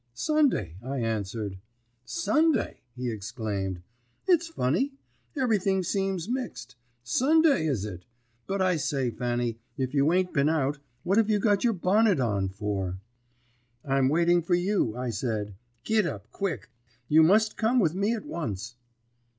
"'Sunday,' I answered. "'Sunday!' he exclaimed. 'It's funny. Everything seems mixed. Sunday, is it? But, I say, Fanny, if you ain't been out, what have you got your bonnet on for?' "'I'm waiting for you,' I said. 'Git up, quick, you must come with me at once.'